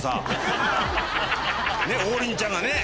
王林ちゃんがね